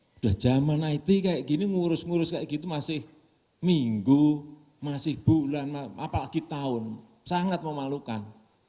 sudah zaman it kayak gini ngurus ngurus kayak gitu masih minggu masih bulan apalagi tahun sangat memalukan